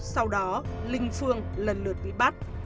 sau đó linh phương lần lượt bị bắt